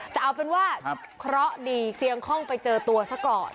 แต่เอาเป็นว่าเคราะห์ดีเสียงคล่องไปเจอตัวซะก่อน